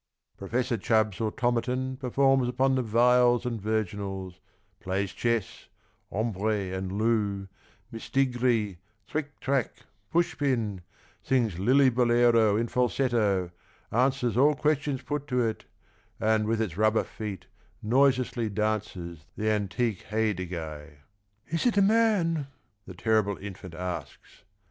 Professor Chubb' s Automaton performs Upon the viols and virginals, plays chess, Ombre and loo, mistigri, tric trac, pushpin, Sings Lilliburlero in falsetto, answers All questions put to it, and with its rubber feet Noiselessly dances the antique heydiguy. " Is it a man? " the terrible infant asks.